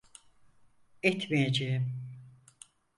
Etmeyeceğim.